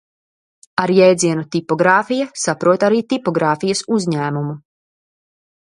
"Ar jēdzienu "tipogrāfija" saprot arī tipogrāfijas uzņēmumu."